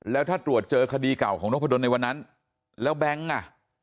แล้วถ้าตรวจเจอคดีเก่าของนกพะดนในวันนั้นแล้วแบงค์อ่ะ